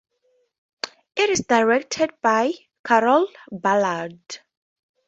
It is directed by Carroll Ballard.